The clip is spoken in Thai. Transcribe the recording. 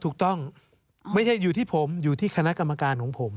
ถูกต้องไม่ใช่อยู่ที่ผมอยู่ที่คณะกรรมการของผม